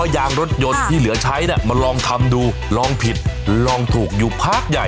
ยางรถยนต์ที่เหลือใช้มาลองทำดูลองผิดลองถูกอยู่พักใหญ่